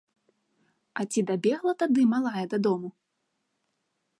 А ці дабегла тады малая дадому?